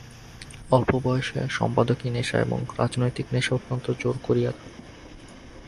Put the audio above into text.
অল্প বয়সে সম্পাদকি নেশা এবং রাজনৈতিক নেশা অত্যন্ত জোর করিয়া ধরে।